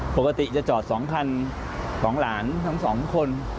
ปกติจะจอด๒คันของหลานทั้งสองคน